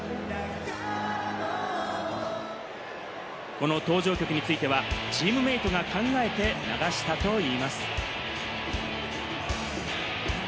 この登場曲についてはチームメートが考えて流したといいます。